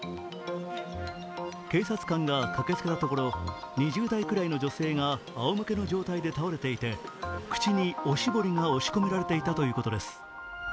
警察官が駆けつけたところ、２０代くらいの女性があおむけの状態で倒れていて口におしぼりが押し込められていたということです。